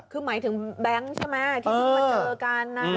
คือหมายถึงแบงค์ใช่ไหมที่พวกมันเจอกันนะ